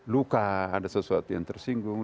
luka ada sesuatu yang tersinggung